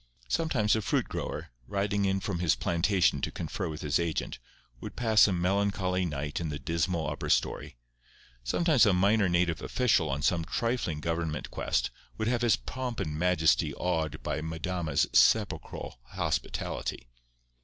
Sometimes a fruit grower, riding in from his plantation to confer with his agent, would pass a melancholy night in the dismal upper story; sometimes a minor native official on some trifling government quest would have his pomp and majesty awed by Madama's sepulchral hospitality.